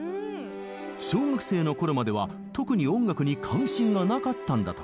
小学生のころまでは特に音楽に関心がなかったんだとか。